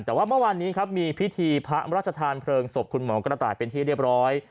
แต่ว่าเมื่อวานนี้ครับมีพิธีพระราชทานเพลิงศพคุณหมอกระต่ายเป็นที่เรียบร้อย